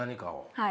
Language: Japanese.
はい。